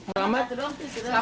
selamat itu dong